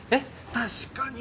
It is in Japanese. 確かに。